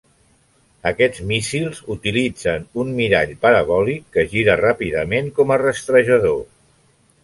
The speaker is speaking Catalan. Aquests míssils utilitzen un mirall parabòlic que gira ràpidament com a rastrejador.